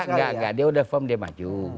nggak dia udah firm dia maju